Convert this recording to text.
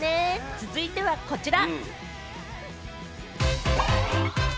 続いてはこちら！